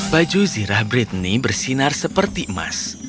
baju zirah bridney bersinar seperti emas